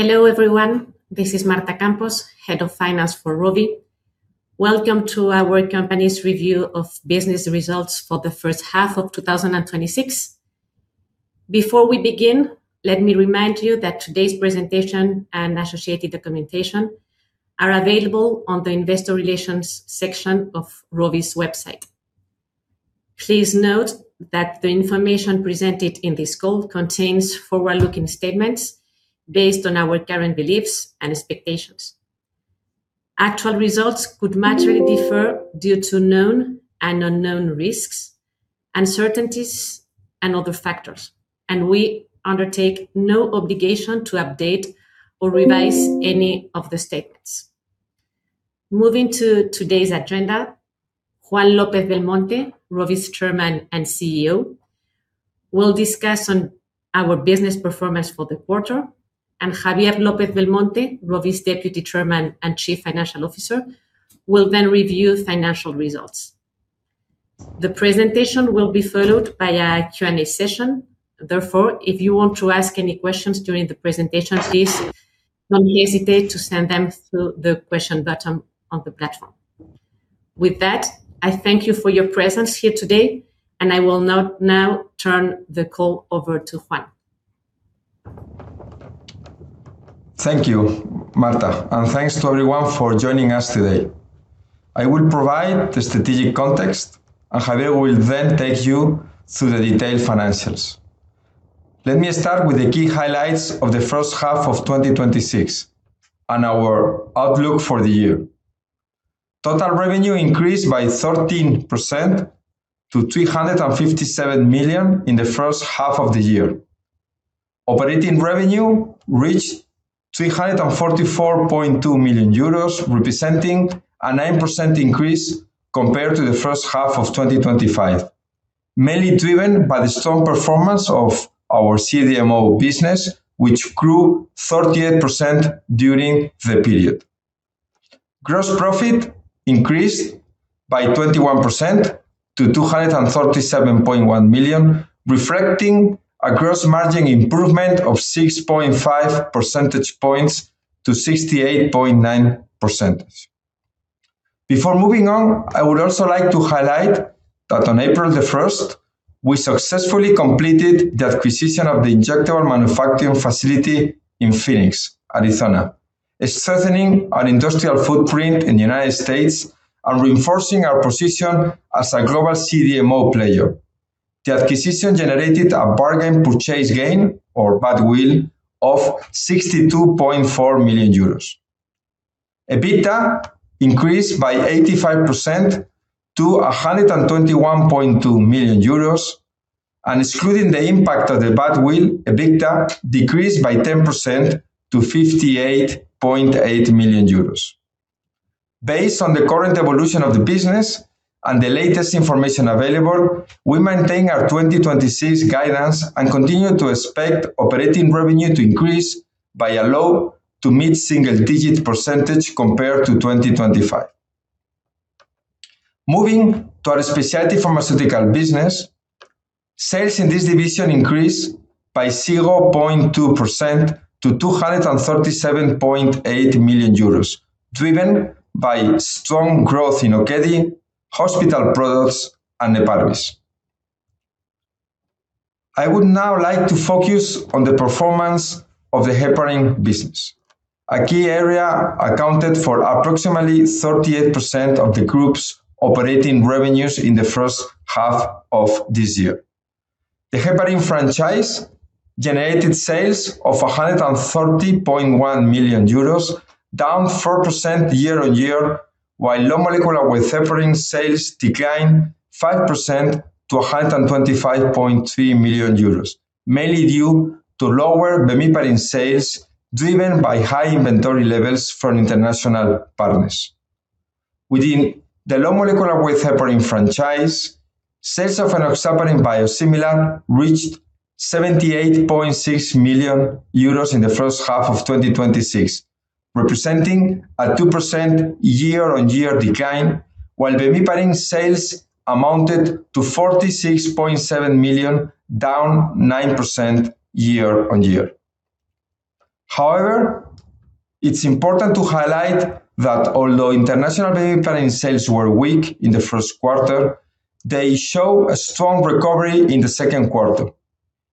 Hello, everyone. This is Marta Campos, Head of Finance for Rovi. Welcome to our company's review of business results for the first half of 2026. Before we begin, let me remind you that today's presentation and associated documentation are available on the investor relations section of Rovi's website. Please note that the information presented in this call contains forward-looking statements based on our current beliefs and expectations. Actual results could materially differ due to known and unknown risks, uncertainties and other factors, we undertake no obligation to update or revise any of the statements. Moving to today's agenda, Juan López-Belmonte, Rovi's Chairman and CEO, will discuss on our business performance for the quarter. Javier López-Belmonte, Rovi's Deputy Chairman and Chief Financial Officer, will then review financial results. The presentation will be followed by a Q&A session. If you want to ask any questions during the presentation, please don't hesitate to send them through the question button on the platform. With that, I thank you for your presence here today, I will now turn the call over to Juan. Thank you, Marta, and thanks to everyone for joining us today. I will provide the strategic context, and Javier will then take you through the detailed financials. Let me start with the key highlights of the first half of 2026 and our outlook for the year. Total revenue increased by 13% to 357 million in the first half of the year. Operating revenue reached 344.2 million euros, representing a 9% increase compared to the first half of 2025, mainly driven by the strong performance of our CDMO business, which grew 38% during the period. Gross profit increased by 21% to 237.1 million, reflecting a gross margin improvement of 6.5 percentage points to 68.9%. Before moving on, I would also like to highlight that on April 1st, we successfully completed the acquisition of the injectable manufacturing facility in Phoenix, Arizona, strengthening an industrial footprint in the U.S. and reinforcing our position as a global CDMO player. The acquisition generated a bargain purchase gain or badwill of 62.4 million euros. EBITDA increased by 85% to 121.2 million euros. Excluding the impact of the badwill, EBITDA decreased by 10% to 58.8 million euros. Based on the current evolution of the business and the latest information available, we maintain our 2026 guidance and continue to expect operating revenue to increase by a low to mid-single-digit% compared to 2025. Moving to our specialty pharmaceutical business, sales in this division increased by 0.2% to 237.8 million euros, driven by strong growth in Okedi, hospital products, and Neparvis. I would now like to focus on the performance of the heparin business, a key area accounted for approximately 38% of the group's operating revenues in the first half of this year. The heparin franchise generated sales of 130.1 million euros, down 4% year-on-year, while low molecular weight heparin sales declined 5% to 125.3 million euros, mainly due to lower bemiparin sales, driven by high inventory levels for an international partners. Within the low molecular weight heparin franchise, sales of enoxaparin biosimilar reached 78.6 million euros in the first half of 2026, representing a 2% year-on-year decline, while bemiparin sales amounted to 46.7 million, down 9% year-on-year. It is important to highlight that although international bemiparin sales were weak in the first quarter, they show a strong recovery in the second quarter,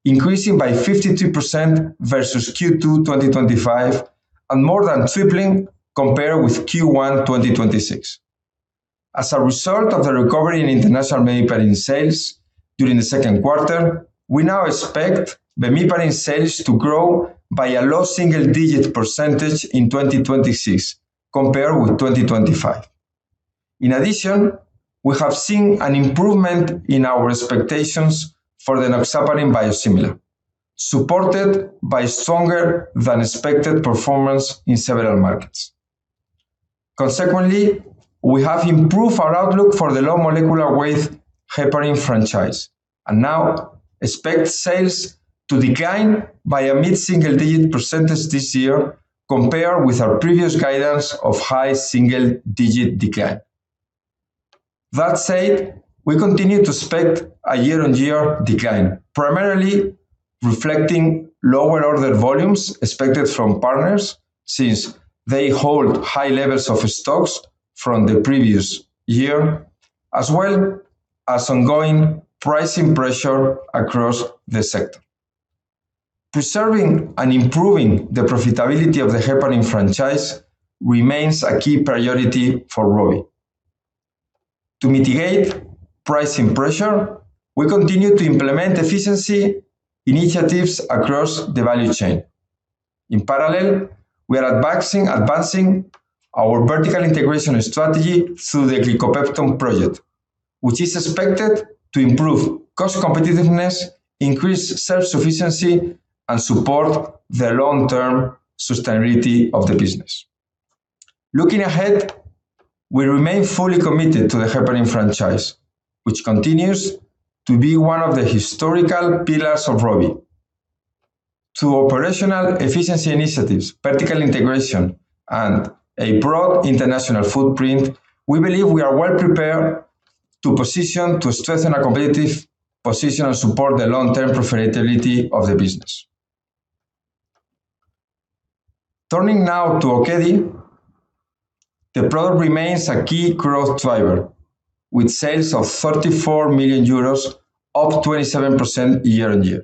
increasing by 52% versus Q2 2025 and more than tripling compared with Q1 2026. As a result of the recovery in international bemiparin sales during the second quarter, we now expect bemiparin sales to grow by a low-single-digit% in 2026 compared with 2025. We have seen an improvement in our expectations for the enoxaparin biosimilar, supported by stronger than expected performance in several markets. We have improved our outlook for the low molecular weight heparin franchise and now expect sales to decline by a mid-single digit percentage this year compared with our previous guidance of high single-digit decline. We continue to expect a year-on-year decline, primarily reflecting lower order volumes expected from partners since they hold high levels of stocks from the previous year, as well as ongoing pricing pressure across the sector. Preserving and improving the profitability of the heparin franchise remains a key priority for Rovi. To mitigate pricing pressure, we continue to implement efficiency initiatives across the value chain. We are advancing our vertical integration strategy through the Glicopepton project, which is expected to improve cost competitiveness, increase self-sufficiency, and support the long-term sustainability of the business. We remain fully committed to the heparin franchise, which continues to be one of the historical pillars of Rovi. Through operational efficiency initiatives, vertical integration, and a broad international footprint, we believe we are well prepared to strengthen our competitive position, and support the long-term profitability of the business. Turning now to Okedi. The product remains a key growth driver with sales of 34 million euros up 27% year-on-year.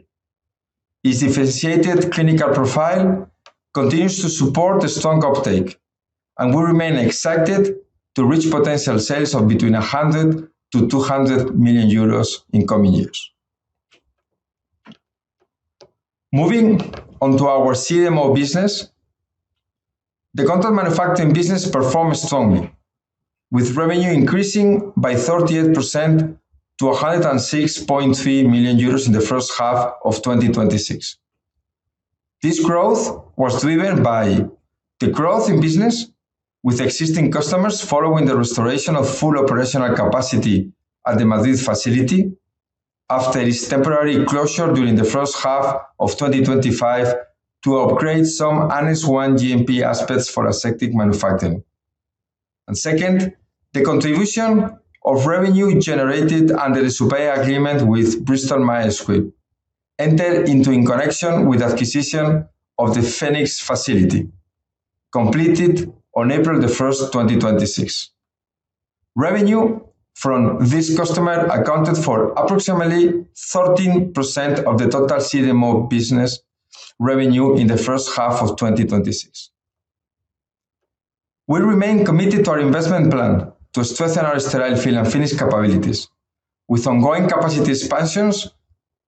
Its differentiated clinical profile continues to support a strong uptake, we remain excited to reach potential sales of between 100 million-200 million euros in coming years. Moving on to our CDMO business. The contract manufacturing business performed strongly, with revenue increasing by 38% to 106.3 million euros in the first half of 2026. This growth was driven by the growth in business with existing customers following the restoration of full operational capacity at the Madrid facility after its temporary closure during the first half of 2025 to upgrade some Annex 1 GMP aspects for aseptic manufacturing. Second, the contribution of revenue generated under the supply agreement with Bristol Myers Squibb entered into in connection with acquisition of the Phoenix facility, completed on April 1st, 2026. Revenue from this customer accounted for approximately 13% of the total CDMO business revenue in the first half of 2026. We remain committed to our investment plan to strengthen our sterile fill and finish capabilities. With ongoing capacity expansions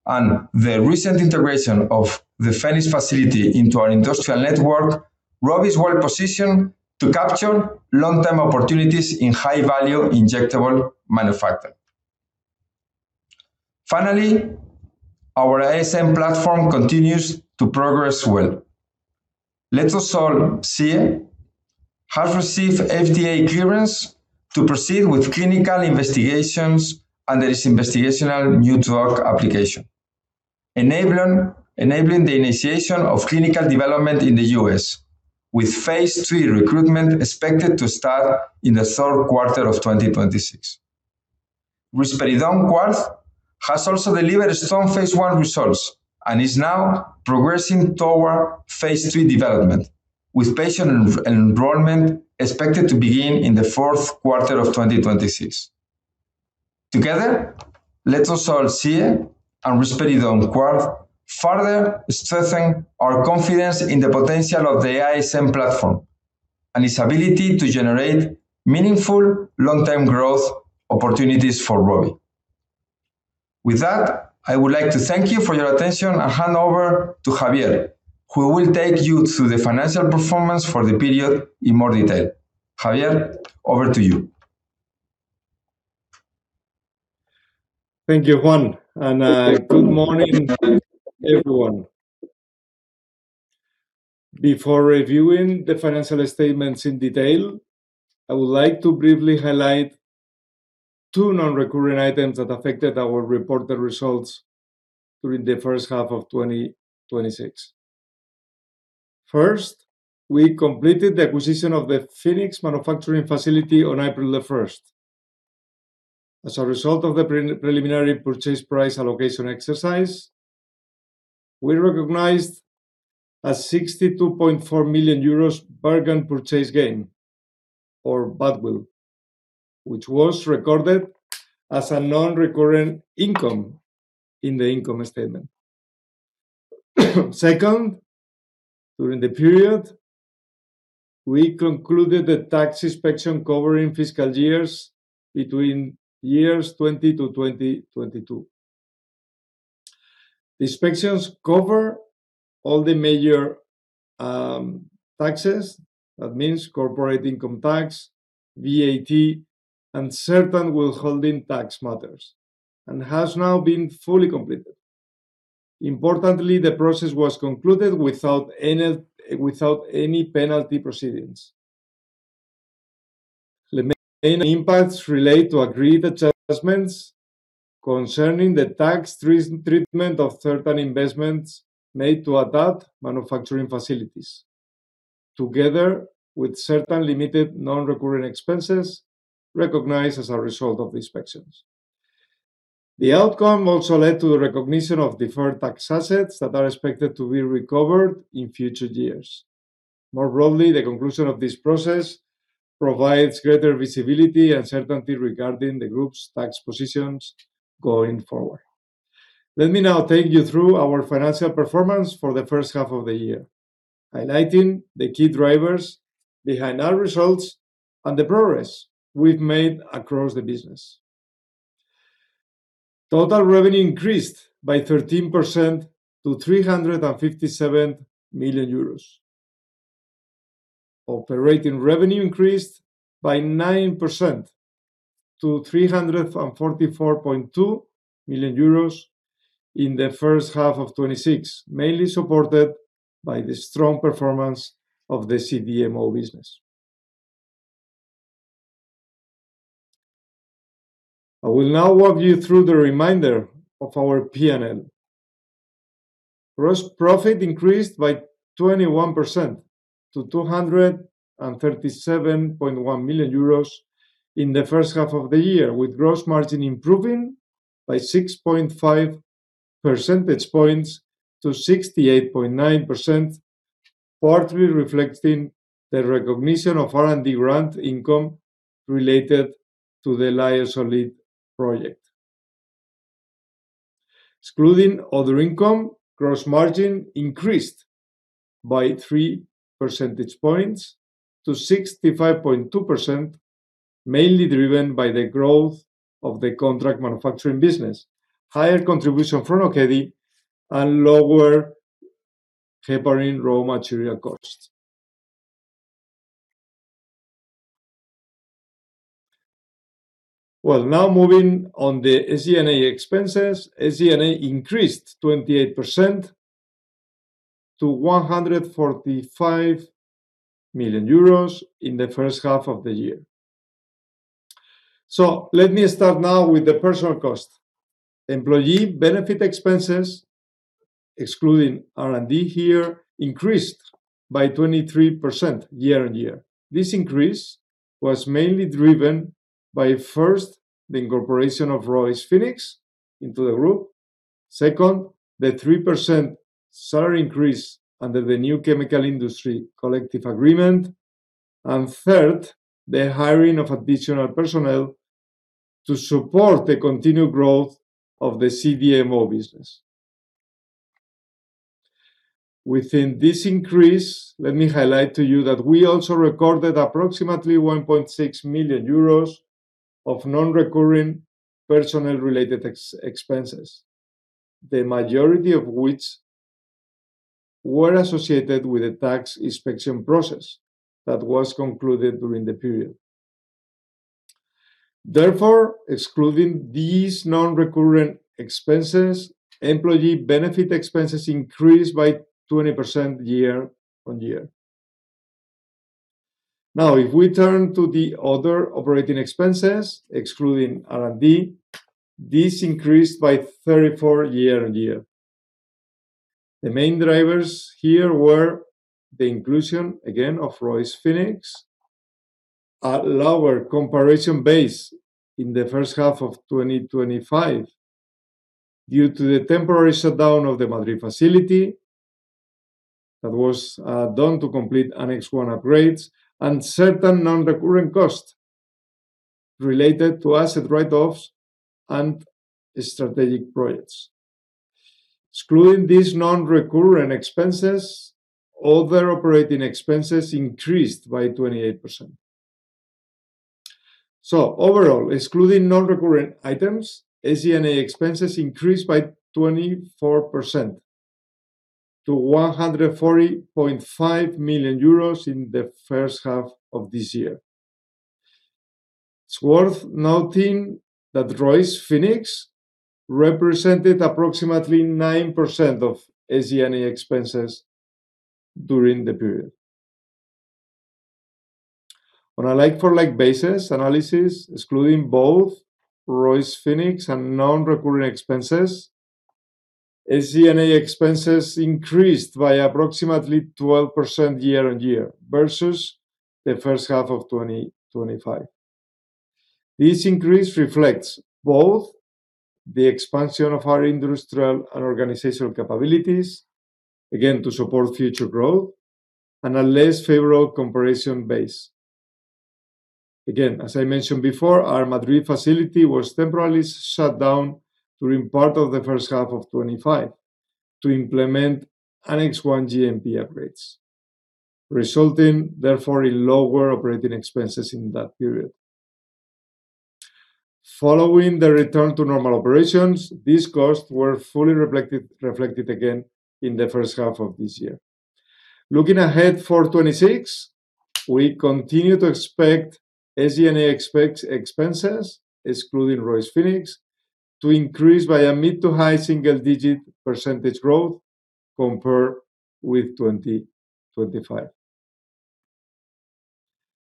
and the recent integration of the Phoenix facility into our industrial network, Rovi is well positioned to capture long-term opportunities in high-value injectable manufacturing. Finally, our ISM platform continues to progress well. Letrozole-ISM has received FDA clearance to proceed with clinical investigations under its investigational new drug application, enabling the initiation of clinical development in the U.S., with phase III recruitment expected to start in the third quarter of 2026. Risperidone QUAR has also delivered strong phase I results and is now progressing toward phase III development, with patient enrollment expected to begin in the fourth quarter of 2026. Together, Letrozole-ISM and Risperidone QUAR further strengthen our confidence in the potential of the ISM platform and its ability to generate meaningful long-term growth opportunities for Rovi. With that, I would like to thank you for your attention and hand over to Javier, who will take you through the financial performance for the period in more detail. Javier, over to you. Thank you, Juan, and good morning, everyone. Before reviewing the financial statements in detail, I would like to briefly highlight two non-recurring items that affected our reported results during the first half of 2026. First, we completed the acquisition of the Phoenix manufacturing facility on April the 1st. As a result of the preliminary purchase price allocation exercise, we recognized a 62.4 million euros bargain purchase gain or badwill, which was recorded as a non-recurring income in the income statement. Second, during the period, we concluded the tax inspection covering fiscal years between 2020 to 2022. The inspections cover all the major taxes. That means corporate income tax, VAT, and certain withholding tax matters, and has now been fully completed. Importantly, the process was concluded without any penalty proceedings. The main impacts relate to agreed adjustments concerning the tax treatment of certain investments made to adapt manufacturing facilities Together with certain limited non-recurring expenses recognized as a result of the inspections. The outcome also led to the recognition of deferred tax assets that are expected to be recovered in future years. More broadly, the conclusion of this process provides greater visibility and certainty regarding the group's tax positions going forward. Let me now take you through our financial performance for the first half of the year, highlighting the key drivers behind our results and the progress we've made across the business. Total revenue increased by 13% to 357 million euros. Operating revenue increased by 9% to 344.2 million euros in the first half of 2026, mainly supported by the strong performance of the CDMO business. I will now walk you through the remainder of our P&L. Gross profit increased by 21% to 237.1 million euros in the first half of the year, with gross margin improving by 6.5 percentage points to 68.9%, partly reflecting the recognition of R&D grant income related to the LAISOLID project. Excluding other income, gross margin increased by 3 percentage points to 65.2%, mainly driven by the growth of the contract manufacturing business, higher contribution from Okedi, and lower heparin raw material costs. Now moving on the SG&A expenses. SG&A increased 28% to 145 million euros in the first half of the year. Let me start now with the personnel cost. Employee benefit expenses, excluding R&D here, increased by 23% year-on-year. This increase was mainly driven by, first, the incorporation of Rovi Phoenix into the group, second, the 3% salary increase under the new chemical industry collective agreement, and third, the hiring of additional personnel to support the continued growth of the CDMO business. Within this increase, let me highlight to you that we also recorded approximately 1.6 million euros of non-recurring personnel-related expenses, the majority of which were associated with the tax inspection process that was concluded during the period. Therefore, excluding these non-recurrent expenses, employee benefit expenses increased by 20% year-on-year. If we turn to the other operating expenses, excluding R&D, this increased by 34% year-on-year. The main drivers here were the inclusion, again, of Rovi Phoenix at lower comparison base in the first half of 2025 due to the temporary shutdown of the Madrid facility that was done to complete Annex I upgrades and certain non-recurrent costs related to asset write-offs and strategic projects. Excluding these non-recurrent expenses, other operating expenses increased by 28%. Overall, excluding non-recurrent items, SG&A expenses increased by 24% to 140.5 million euros in the first half of this year. It's worth noting that Rovi Phoenix represented approximately 9% of SG&A expenses during the period. On a like-for-like basis analysis, excluding both Rovi Phoenix and non-reoccurring expenses, SG&A expenses increased by approximately 12% year-on-year versus the first half of 2025. This increase reflects both the expansion of our industrial and organizational capabilities, again, to support future growth, and a less favorable comparison base. As I mentioned before, our Madrid facility was temporarily shut down during part of the first half of 2025 to implement Annex I GMP upgrades, resulting, therefore, in lower operating expenses in that period. Following the return to normal operations, these costs were fully reflected again in the first half of this year. Looking ahead for 2026, we continue to expect SG&A expenses, excluding Rovi Phoenix, to increase by a mid to high single-digit percentage growth compared with 2025.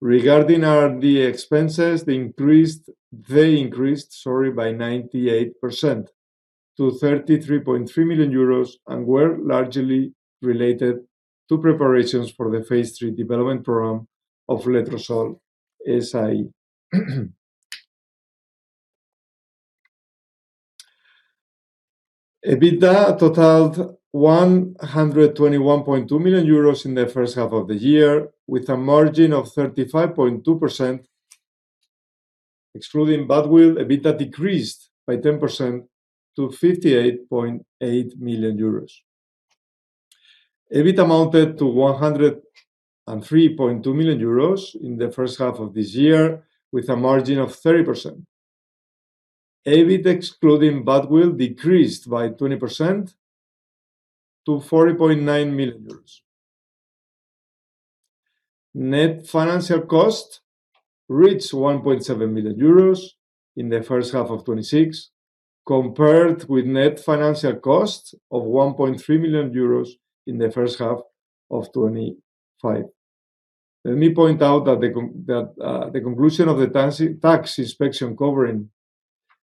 Regarding R&D expenses, they increased by 98% to 33.3 million euros and were largely related to preparations for the Phase III development program of Letrozole-ISM. EBITDA totaled 121.2 million euros in the first half of the year, with a margin of 35.2%. Excluding badwill, EBITDA decreased by 10% to 58.8 million euros. EBIT amounted to 103.2 million euros in the first half of this year, with a margin of 30%. EBIT excluding badwill decreased by 20% to 40.9 million euros. Net financial cost reached 1.7 million euros in the first half of 2026, compared with net financial costs of 1.3 million euros in the first half of 2025. Let me point out that the conclusion of the tax inspection covering,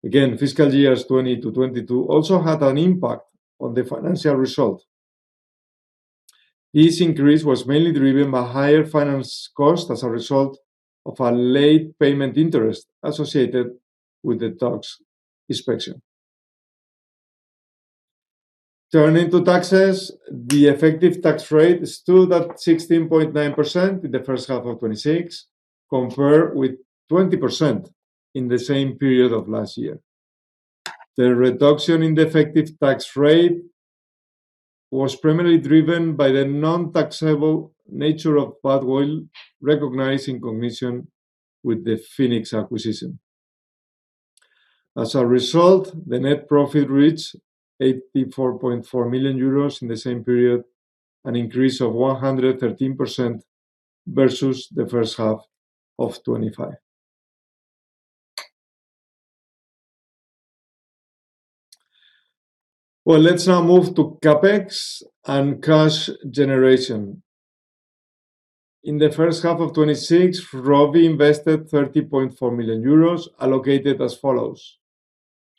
again, fiscal years 2020 to 2022, also had an impact on the financial result. This increase was mainly driven by higher finance cost as a result of a late payment interest associated with the tax inspection. Turning to taxes, the effective tax rate stood at 16.9% in the first half of 2026, compared with 20% in the same period of last year. The reduction in the effective tax rate was primarily driven by the non-taxable nature of badwill recognized in connection with the Phoenix acquisition. The net profit reached 84.4 million euros in the same period, an increase of 113% versus the first half of 2025. Well, let's now move to CapEx and cash generation. In the first half of 2026, Rovi invested 30.4 million euros, allocated as follows: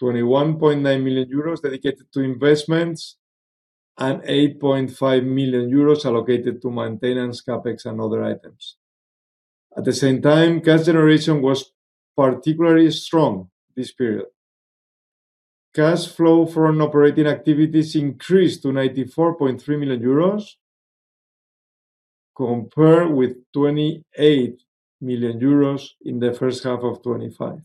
21.9 million euros dedicated to investments and 8.5 million euros allocated to maintenance CapEx and other items. Cash generation was particularly strong this period. Cash flow from operating activities increased to 94.3 million euros, compared with 28 million euros in the first half of 2025.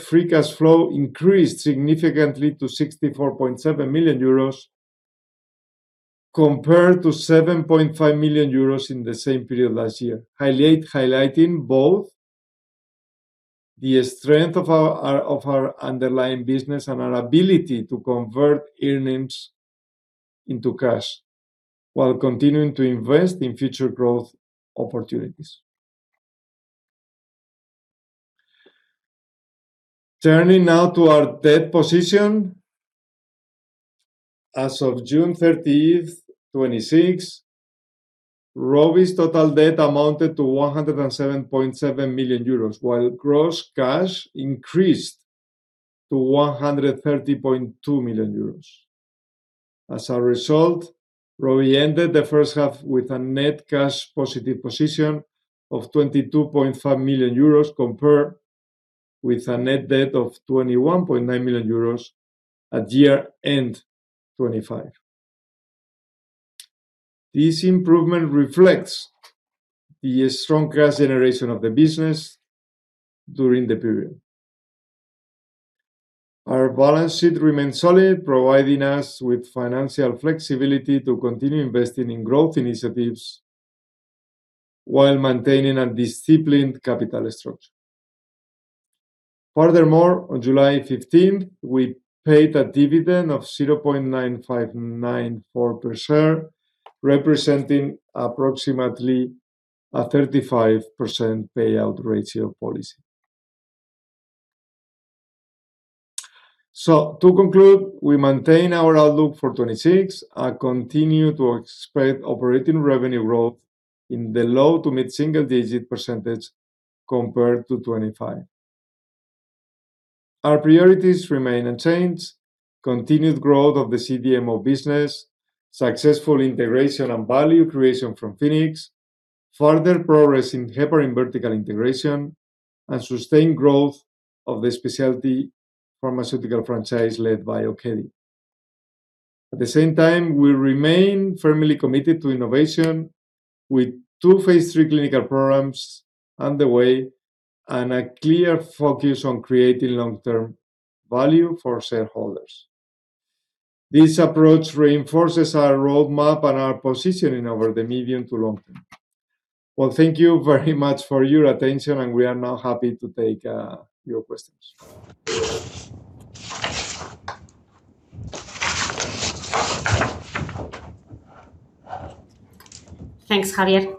Free cash flow increased significantly to 64.7 million euros, compared to 7.5 million euros in the same period last year, highlighting both the strength of our underlying business and our ability to convert earnings into cash while continuing to invest in future growth opportunities. Our debt position. As of June 30th, 2026, Rovi's total debt amounted to 107.7 million euros, while gross cash increased to 130.2 million euros. Rovi ended the first half with a net cash positive position of 22.5 million euros, compared with a net debt of 21.9 million euros at year-end 2025. This improvement reflects the strong cash generation of the business during the period. Our balance sheet remains solid, providing us with financial flexibility to continue investing in growth initiatives while maintaining a disciplined capital structure. On July 15th, we paid a dividend of 0.9594 per share, representing approximately a 35% payout ratio policy. To conclude, we maintain our outlook for 2026 and continue to expect operating revenue growth in the low to mid-single-digit% compared to 2025. Our priorities remain unchanged: continued growth of the CDMO business, successful integration and value creation from Phoenix, further progress in heparin vertical integration, and sustained growth of the specialty pharmaceutical franchise led by Okedi. We remain firmly committed to innovation with two phase III clinical programs underway and a clear focus on creating long-term value for shareholders. This approach reinforces our roadmap and our positioning over the medium to long term. Well, thank you very much for your attention, we are now happy to take your questions. Thanks, Javier.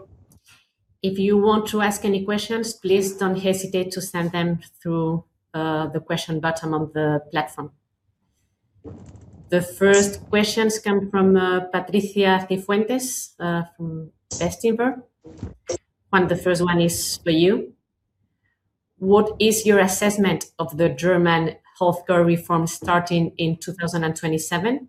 If you want to ask any questions, please don't hesitate to send them through the question button on the platform. The first questions come from Patricia Cifuentes, from Bestinver. Juan, the first one is for you. What is your assessment of the German healthcare reform starting in 2027?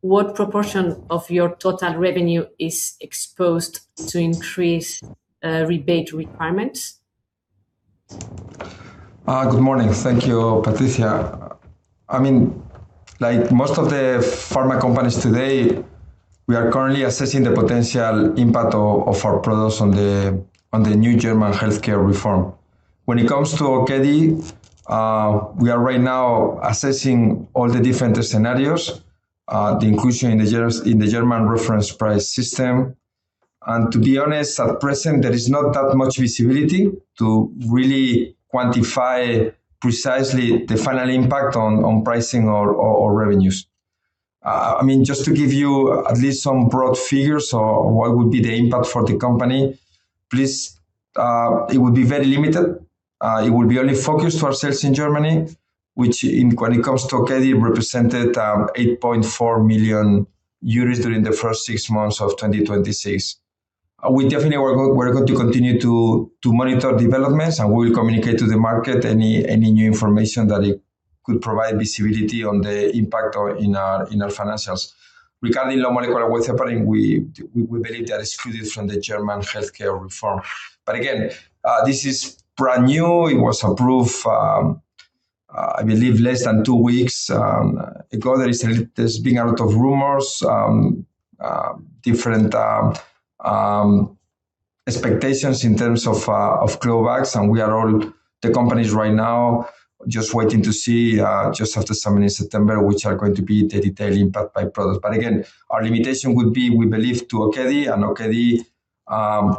What proportion of your total revenue is exposed to increased rebate requirements? Good morning. Thank you, Patricia. Like most of the pharma companies today, we are currently assessing the potential impact of our products on the new German healthcare reform. When it comes to Okedi, we are right now assessing all the different scenarios, the inclusion in the German reference price system. To be honest, at present, there is not that much visibility to really quantify precisely the final impact on pricing or revenues. Just to give you at least some broad figures on what would be the impact for the company, it would be very limited. It would be only focused for our sales in Germany, which when it comes to Okedi, represented 8.4 million euros during the first six months of 2026. We definitely are going to continue to monitor developments, and we will communicate to the market any new information that could provide visibility on the impact in our financials. Regarding low molecular weight heparin, we believe that is excluded from the German healthcare reform. Again, this is brand new. It was approved, I believe, less than two weeks ago. There's been a lot of rumors, different expectations in terms of clawbacks, and we are all, the companies right now, just waiting to see, just after summer in September, which are going to be the detailed impact by product. Again, our limitation would be, we believe, to Okedi, and Okedi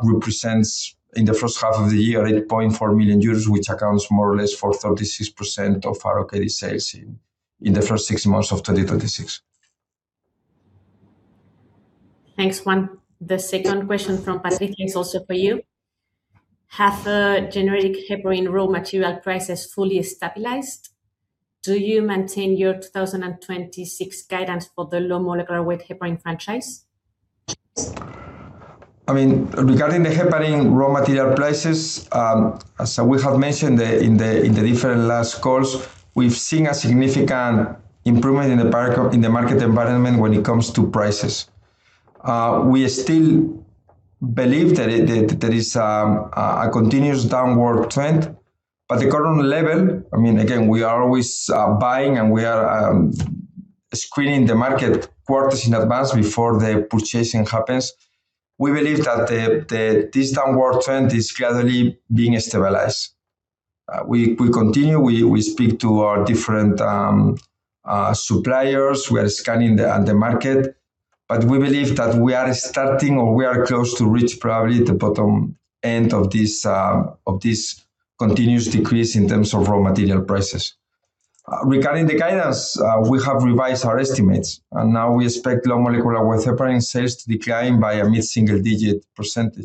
represents, in the first half of the year, 8.4 million euros, which accounts more or less for 36% of our Okedi sales in the first six months of 2026. Thanks, Juan. The second question from Patricia is also for you. Have the generic heparin raw material prices fully stabilized? Do you maintain your 2026 guidance for the low molecular weight heparin franchise? Regarding the heparin raw material prices, as we have mentioned in the different last calls, we've seen a significant improvement in the market environment when it comes to prices. We still believe that there is a continuous downward trend. The current level, again, we are always buying, and we are screening the market quarters in advance before the purchasing happens. We believe that this downward trend is gradually being stabilized. We continue, we speak to our different suppliers. We are scanning the market. We believe that we are starting or we are close to reach probably the bottom end of this continuous decrease in terms of raw material prices. Regarding the guidance, we have revised our estimates, and now we expect low molecular weight heparin sales to decline by a mid-single-digit%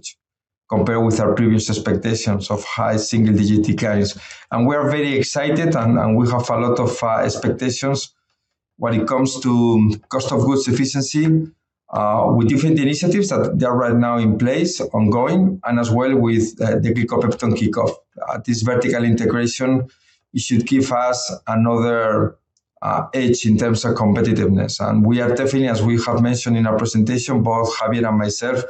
compared with our previous expectations of high-single-digit declines. We're very excited, and we have a lot of expectations when it comes to cost of goods efficiency with different initiatives that are right now in place, ongoing, and as well with the Glicopepton kickoff. This vertical integration should give us another edge in terms of competitiveness. We are definitely, as we have mentioned in our presentation, both Javier and myself,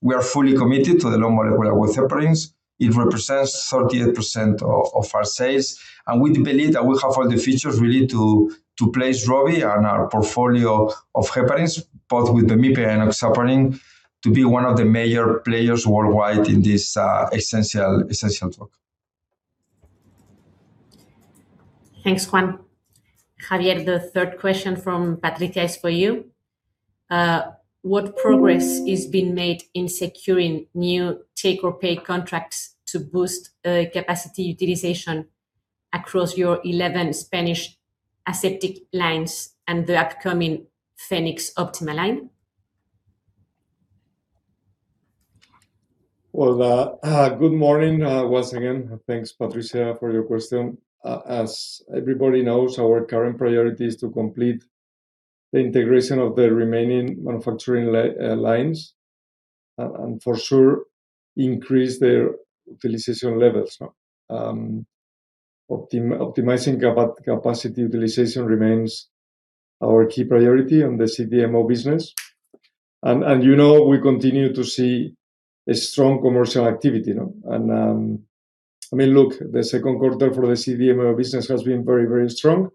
we are fully committed to the low molecular weight heparins. It represents 38% of our sales, and we believe that we have all the features really to place Rovi and our portfolio of heparins, both with the bemiparin and enoxaparin, to be one of the major players worldwide in this essential work. Thanks, Juan. Javier, the third question from Patricia is for you. What progress is being made in securing new take-or-pay contracts to boost capacity utilization across your 11 Spanish aseptic lines and the upcoming Phoenix Optima line? Good morning once again. Thanks, Patricia, for your question. As everybody knows, our current priority is to complete the integration of the remaining manufacturing lines and for sure increase their utilization levels. Optimizing capacity utilization remains our key priority on the CDMO business. You know we continue to see a strong commercial activity. Look, the second quarter for the CDMO business has been very strong,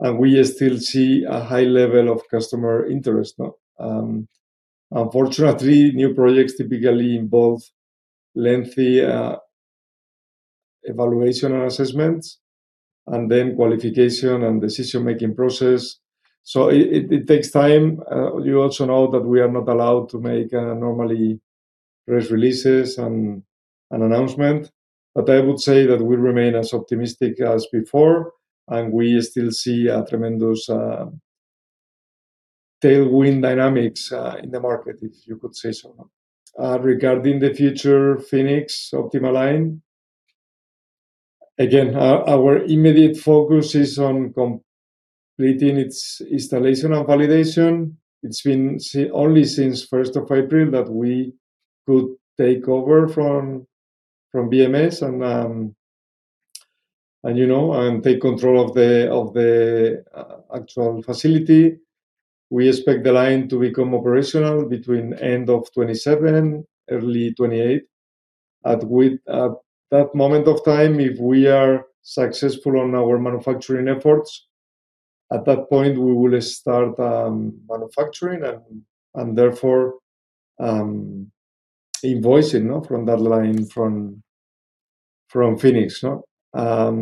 and we still see a high level of customer interest. Unfortunately, new projects typically involve lengthy evaluation and assessments and then qualification and decision-making process, so it takes time. You also know that we are not allowed to make normally press releases and an announcement. I would say that we remain as optimistic as before, We still see a tremendous Tailwind dynamics in the market, if you could say so. Regarding the future Phoenix Optima line, again, our immediate focus is on completing its installation and validation. It's been only since the 1st of April that we could take over from BMS and take control of the actual facility. We expect the line to become operational between end of 2027, early 2028. At that moment of time, if we are successful on our manufacturing efforts, at that point, we will start manufacturing and therefore invoicing from that line from Phoenix. For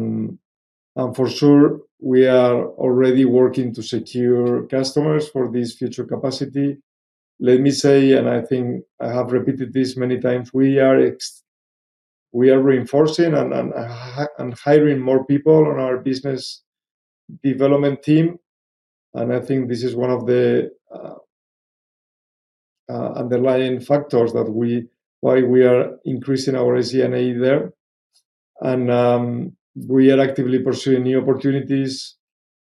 sure, we are already working to secure customers for this future capacity. Let me say, and I think I have repeated this many times, we are reinforcing and hiring more people on our business development team, and I think this is one of the underlying factors why we are increasing our SG&A there. We are actively pursuing new opportunities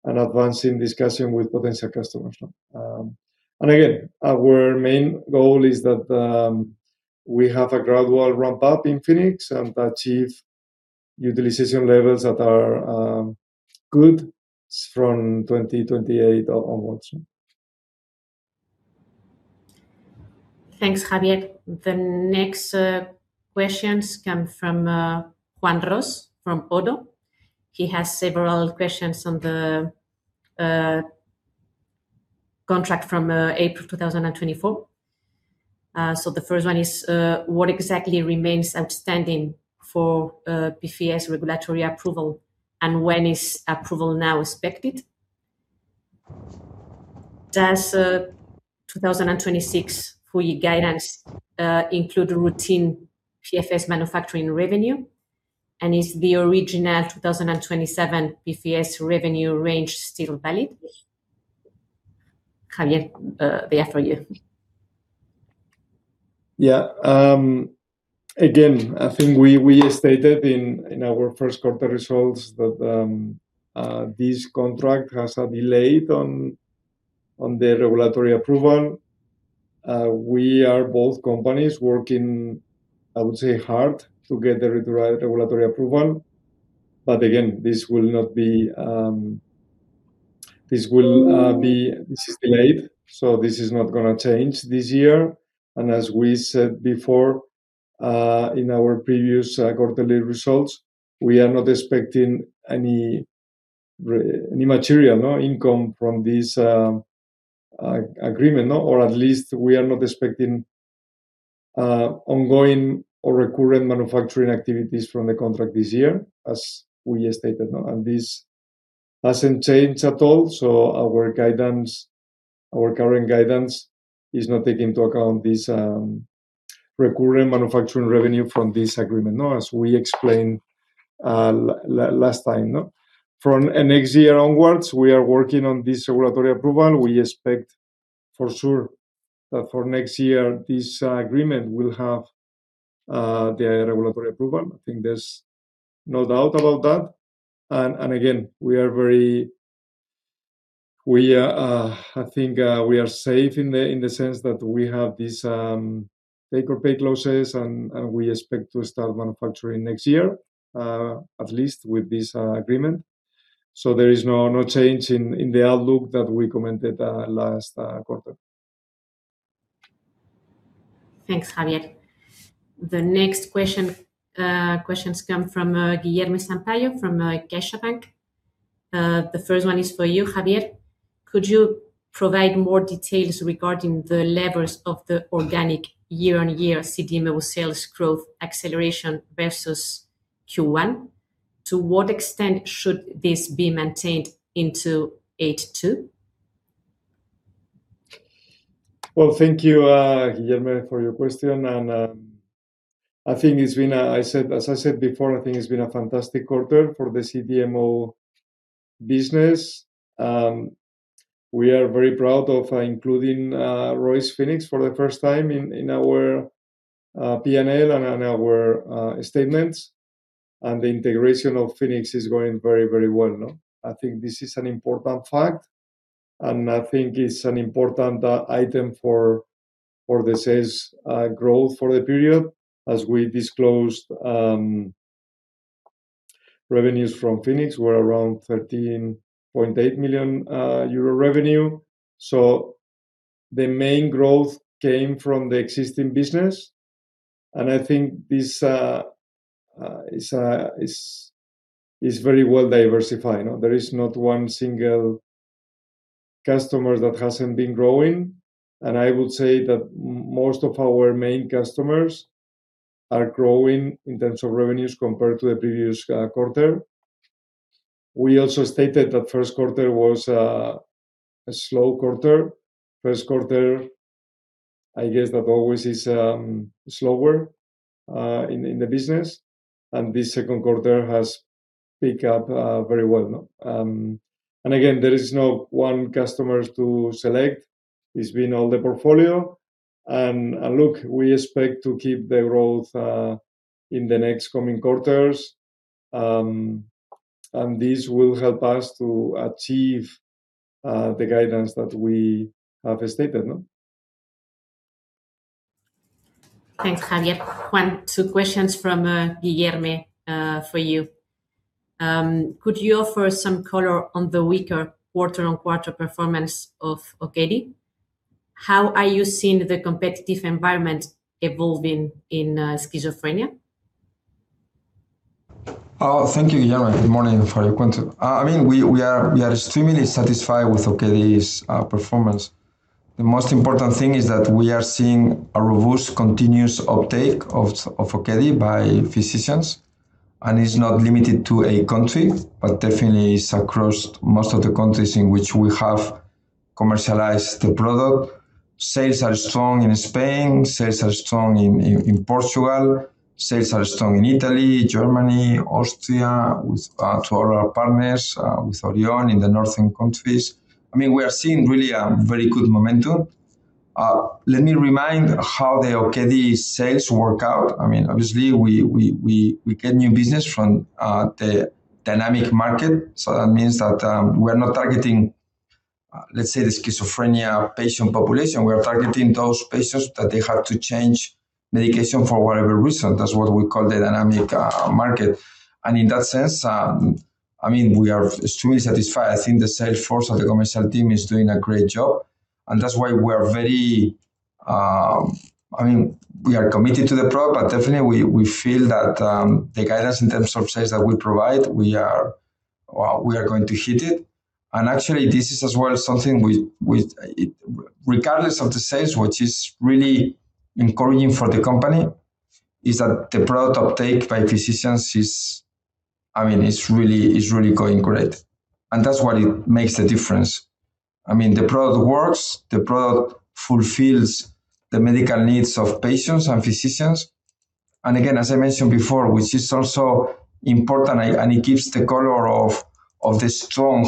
and advancing discussions with potential customers. Again, our main goal is that we have a gradual ramp-up in Phoenix and achieve utilization levels that are good from 2028 onwards. Thanks, Javier. The next questions come from Juan Ros from ODDO. He has several questions on the contract from April 2024. The first one is, what exactly remains outstanding for PFS regulatory approval, and when is approval now expected? Does 2026 full-year guidance include routine PFS manufacturing revenue? Is the original 2027 PFS revenue range still valid? Javier, they are for you. Yeah. Again, I think we stated in our first quarter results that this contract has a delay on the regulatory approval. We are both companies working, I would say, hard to get the regulatory approval. Again, this is delayed, so this is not going to change this year. As we said before in our previous quarterly results, we are not expecting any material income from this agreement. At least we are not expecting ongoing or recurring manufacturing activities from the contract this year, as we stated. This hasn't changed at all, so our current guidance is not taking into account this recurring manufacturing revenue from this agreement, as we explained last time. From next year onwards, we are working on this regulatory approval. We expect, for sure, that for next year, this agreement will have the regulatory approval. I think there's no doubt about that. I think we are safe in the sense that we have these take-or-pay clauses, and we expect to start manufacturing next year, at least with this agreement. So there is no change in the outlook that we commented last quarter. Thanks, Javier. The next questions come from Guilherme Sampaio from CaixaBank. The first one is for you, Javier. Could you provide more details regarding the levels of the organic year-on-year CDMO sales growth acceleration versus Q1? To what extent should this be maintained into H2? Well, thank you, Guilherme, for your question. As I said before, I think it's been a fantastic quarter for the CDMO business. We are very proud of including Rovi Phoenix for the first time in our P&L and our statements, and the integration of Phoenix is going very well. I think this is an important fact, and I think it's an important item for the sales growth for the period. As we disclosed, revenues from Phoenix were around 13.8 million euro revenue. So the main growth came from the existing business, and I think this is very well-diversified. There is not one single customer that hasn't been growing, and I would say that most of our main customers are growing in terms of revenues compared to the previous quarter. We also stated that first quarter was a slow quarter. First quarter I guess that always is slower in the business, and this second quarter has picked up very well. There is no one customer to select. It's been all the portfolio. Look, we expect to keep the growth in the next coming quarters, and this will help us to achieve the guidance that we have stated. Thanks, Javier. Juan, two questions from Guilherme for you. Could you offer some color on the weaker quarter-on-quarter performance of Okedi? How are you seeing the competitive environment evolving in schizophrenia? Thank you, Guilherme. Good morning for you, Juan. We are extremely satisfied with Okedi's performance. The most important thing is that we are seeing a robust continuous uptake of Okedi by physicians, and it's not limited to a country, but definitely it's across most of the countries in which we have commercialized the product. Sales are strong in Spain. Sales are strong in Portugal. Sales are strong in Italy, Germany, Austria, to all our partners, with Orion in the northern countries. We are seeing really a very good momentum. Let me remind how the Okedi sales work out. We get new business from the dynamic market. That means that we're not targeting, let's say, the schizophrenia patient population. We're targeting those patients that they have to change medication for whatever reason. That's what we call the dynamic market. In that sense, we are extremely satisfied. I think the sales force or the commercial team is doing a great job. That's why we are committed to the product, but definitely, we feel that the guidance in terms of sales that we provide, we are going to hit it. Actually, this is as well something regardless of the sales, which is really encouraging for the company, is that the product uptake by physicians is really going great. That's what makes the difference. The product works, the product fulfills the medical needs of patients and physicians. Again, as I mentioned before, which is also important, and it gives the color of the strong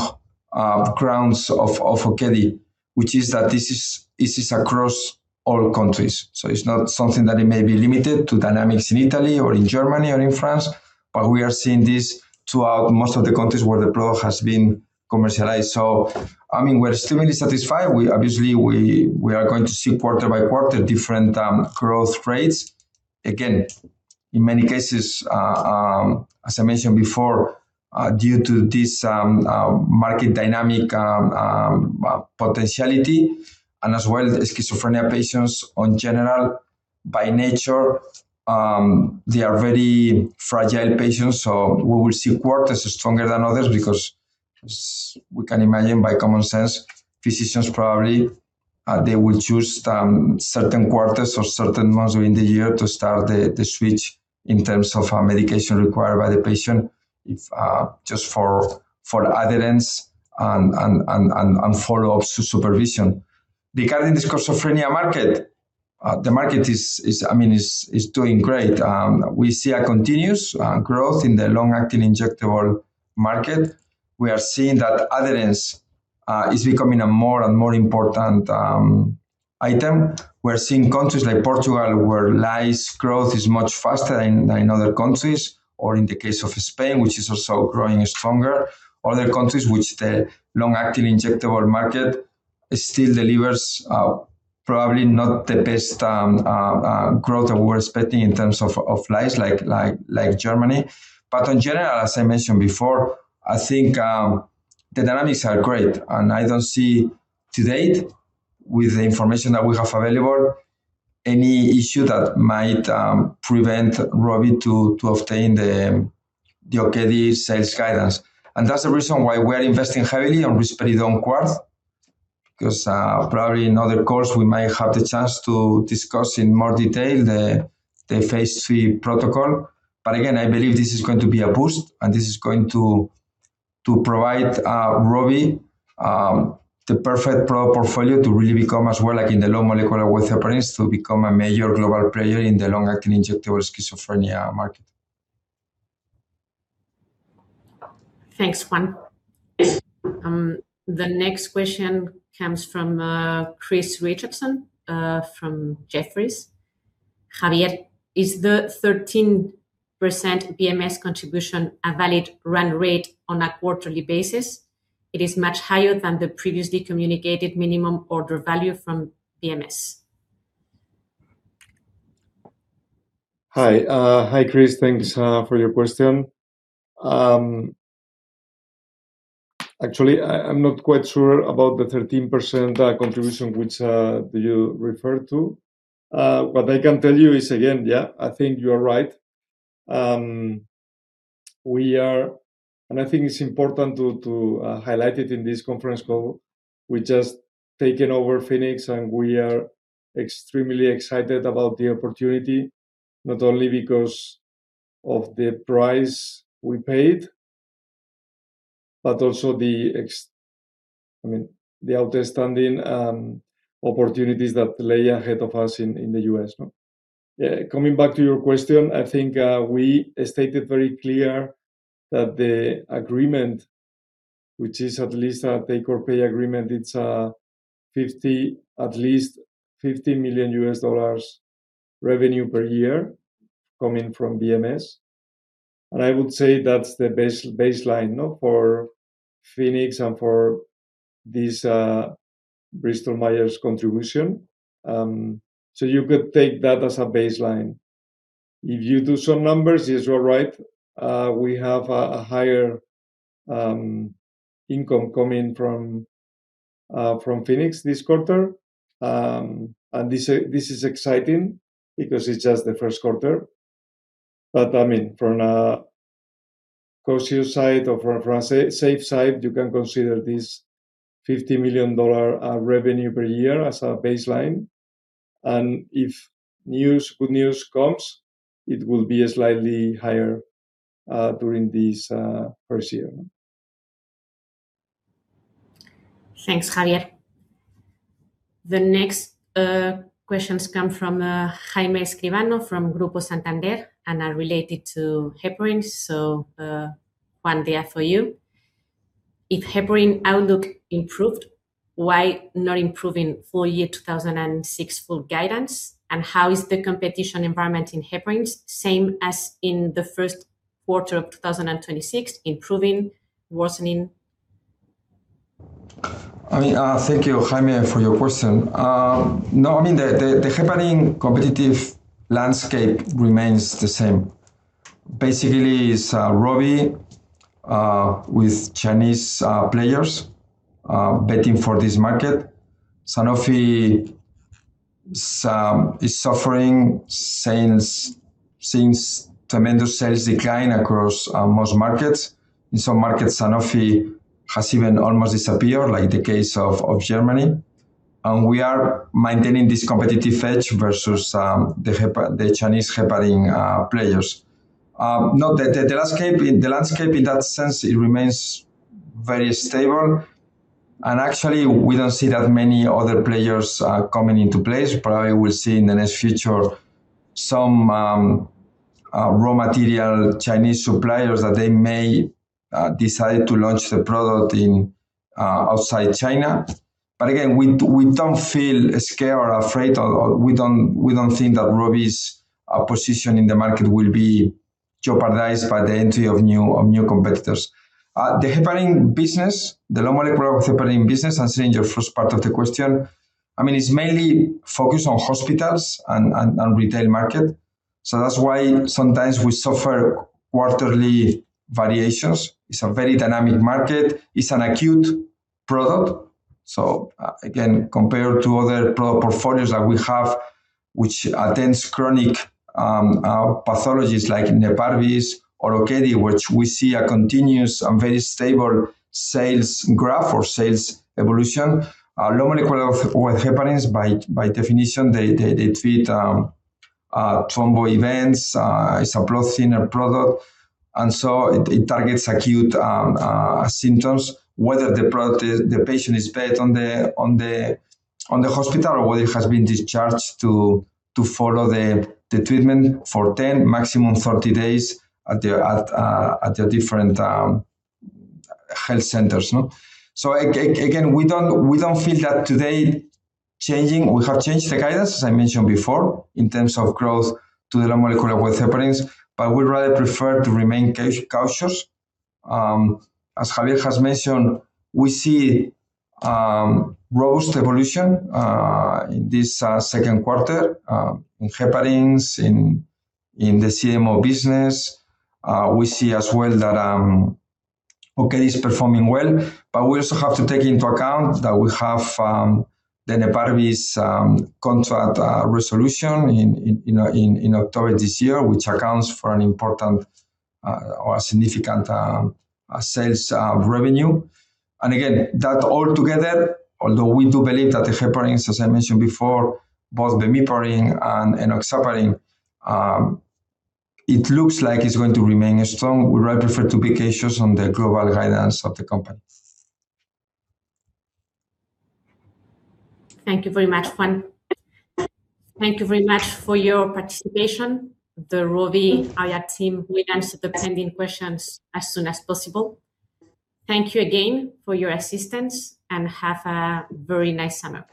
grounds of Okedi, which is that this is across all countries. It's not something that it may be limited to dynamics in Italy or in Germany or in France, but we are seeing this throughout most of the countries where the product has been commercialized. We're extremely satisfied. We are going to see quarter-by-quarter different growth rates. In many cases, as I mentioned before, due to this market dynamic potentiality, and as well the schizophrenia patients on general, by nature, they are very fragile patients. We will see quarters stronger than others because we can imagine by common sense, physicians probably, they will choose certain quarters or certain months within the year to start the switch in terms of medication required by the patient, just for adherence and follow-ups to supervision. Regarding the schizophrenia market, the market is doing great. We see a continuous growth in the long-acting injectable market. We are seeing that adherence is becoming a more and more important item. We're seeing countries like Portugal, where adherence growth is much faster than in other countries, or in the case of Spain, which is also growing stronger. Other countries which the long-acting injectable market still delivers probably not the best growth that we're expecting in terms of adherence like Germany. In general, as I mentioned before, I think the dynamics are great, and I don't see to date, with the information that we have available, any issue that might prevent Rovi to obtain the Okedi sales guidance. That's the reason why we are investing heavily on Risperidone QUAR, because probably in other quarters, we might have the chance to discuss in more detail the phase III protocol. Again, I believe this is going to be a boost and this is going to provide Rovi the perfect product portfolio to really become as well, like in the low molecular weight heparin, to become a major global player in the long-acting injectable schizophrenia market. Thanks, Juan. The next question comes from Chris Richardson from Jefferies. Javier, is the 13% BMS contribution a valid run rate on a quarterly basis? It is much higher than the previously communicated minimum order value from BMS. Hi. Hi, Chris. Thanks for your question. Actually, I'm not quite sure about the 13% contribution which do you refer to. What I can tell you is, again, I think you are right. I think it's important to highlight it in this conference call, we've just taken over Phoenix, and we are extremely excited about the opportunity, not only because of the price we paid Also the outstanding opportunities that lay ahead of us in the U.S. Coming back to your question, I think I stated very clear that the agreement, which is at least a take-or-pay agreement, it's at least $50 million U.S. dollars revenue per year coming from BMS. I would say that's the baseline for Phoenix and for this Bristol Myers contribution. You could take that as a baseline. If you do some numbers, Israel, right, we have a higher income coming from Rovi Phoenix this quarter. This is exciting because it's just the first quarter. From a cost view side or from a safe side, you can consider this $50 million revenue per year as a baseline. If good news comes, it will be slightly higher during this first year. Thanks, Javier. The next questions come from Jaime Escribano from Grupo Santander and are related to heparins. Juan, they are for you. If heparin outlook improved, why not improving full year 2026 guidance? How is the competition environment in heparins same as in the first quarter of 2026, improving, worsening? Thank you, Jaime, for your question. The heparin competitive landscape remains the same. Basically, it's Rovi with Chinese players betting for this market. Sanofi is suffering tremendous sales decline across most markets. In some markets, Sanofi has even almost disappeared, like the case of Germany. We are maintaining this competitive edge versus the Chinese heparin players. The landscape in that sense, it remains very stable. Actually, we don't see that many other players coming into place. Probably we'll see in the near future some raw material Chinese suppliers that they may decide to launch the product outside China. Again, we don't feel scared or afraid, or we don't think that Rovi's position in the market will be jeopardized by the entry of new competitors. The heparin business, the low molecular weight heparin business, answering your first part of the question, it's mainly focused on hospitals and retail market. That's why sometimes we suffer quarterly variations. It's a very dynamic market. It's an acute product. Again, compared to other product portfolios that we have, which attends chronic pathologies like Neparvis or Okedi, which we see a continuous and very stable sales graph or sales evolution. Low molecular weight heparins, by definition, they treat thrombo events. It's a blood thinner product, it targets acute symptoms, whether the patient is based on the hospital or whether he has been discharged to follow the treatment for 10, maximum 30 days at the different health centers. Again, we don't feel that today changing. We have changed the guidance, as I mentioned before, in terms of growth to the low molecular weight heparins, but we'd rather prefer to remain cautious. As Javier has mentioned, we see robust evolution in this second quarter in heparins, in the CMO business. We see as well that Okedi is performing well, but we also have to take into account that we have the Neparvis contract resolution in October this year, which accounts for an important or a significant sales revenue. Again, that all together, although we do believe that the heparins, as I mentioned before, both bemiparin and enoxaparin, it looks like it's going to remain strong, we'd rather prefer to be cautious on the global guidance of the company. Thank you very much, Juan. Thank you very much for your participation. The Rovi IR team will answer the pending questions as soon as possible. Thank you again for your assistance, and have a very nice summer.